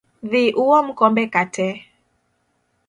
Dhii uom kombe ka tee